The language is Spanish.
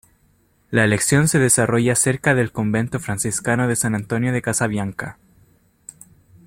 La elección se desarrolla cerca del convento franciscano de San Antonio de Casabianca.